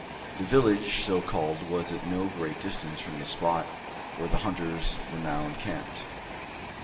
The village, so called, was at no great distance from the spot where the hunters were now encamped.